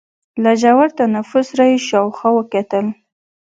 له ژور تنفس سره يې شاوخوا وکتل.